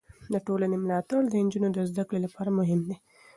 د ټولنې ملاتړ د نجونو د زده کړې لپاره مهم دی.